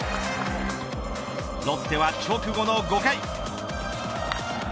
ロッテは直後の５回。